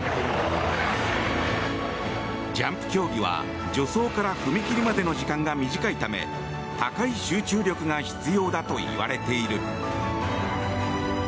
ジャンプ競技は助走から踏み切りまでの時間が短いため高い集中力が必要だといわれている。